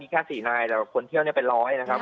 มีแค่๔นายแต่ว่าคนเที่ยวเนี่ยเป็นร้อยนะครับ